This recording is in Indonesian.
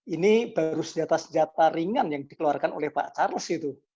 ini baru senjata senjata ringan yang dikeluarkan oleh pak charles itu